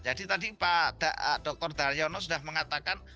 jadi tadi pak dr daryono sudah mengatakan